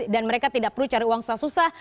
dan mereka tidak perlu cari uang susah susah